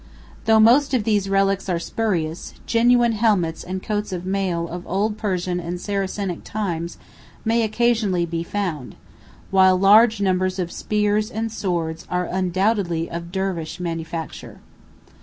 Though most of these relics are spurious, genuine helmets and coats of mail of old Persian and Saracenic times may occasionally be found, while large numbers of spears and swords are undoubtedly of Dervish manufacture.